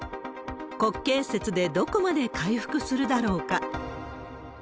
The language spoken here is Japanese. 国慶節でどこまで回復するだろうか。